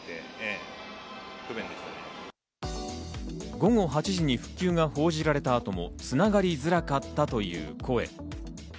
午後８時に復旧が報じられた後もつながりづらかったという声。